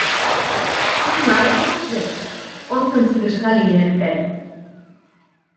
Тыңлайым һеҙҙе, Алтын себеш ғәли йәнәптәре...